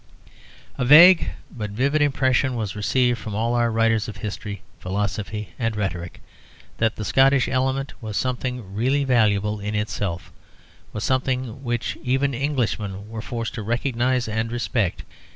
A vague, but vivid impression was received from all our writers of history, philosophy, and rhetoric that the Scottish element was something really valuable in itself, was something which even Englishmen were forced to recognise and respect.